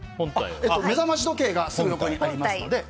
目覚まし時計がすぐ横にありますので。